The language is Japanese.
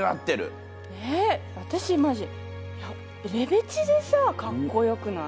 えっ私マジレベチでさかっこよくない？